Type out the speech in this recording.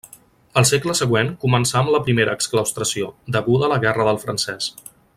El segle següent començà amb la primera exclaustració, deguda a la guerra del Francès.